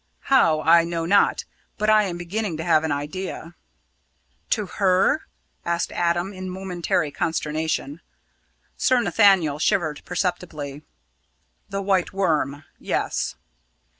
"How, I know not; but I am beginning to have an idea." "To her?" asked Adam, in momentary consternation. Sir Nathaniel shivered perceptibly. "The White Worm yes!"